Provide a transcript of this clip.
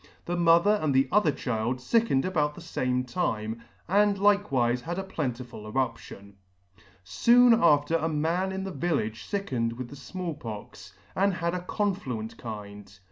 The mo ther and the other child fickened about the fame time, and like wife had a plentiful eruption. " Soon after a man in the village fickened with the Small Pox, [ 12 °] Pox, and had a confluent kind.